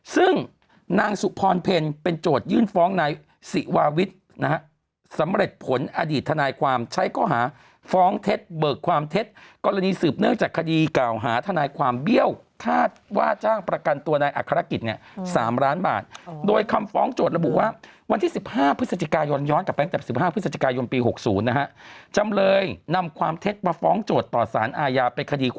ซึ่งนางสุพรเพลร์เป็นโจทย์ยื่นฟ้องนายศิวาวิทย์นะฮะสำเร็จผลอดีตทนายความใช้ข้อหาฟ้องเท็จเบิกความเท็จกรณีสืบเนื้อจากคดีเก่าหาทนายความเบี้ยวถ้าว่าจ้างประกันตัวในอักษรกิจเนี่ย๓ล้านบาทโดยคำฟ้องโจทย์ระบุว่าวันที่๑๕พฤศจิกายย้อนย้อนกลับไปตั้งแต่๑๕พฤศ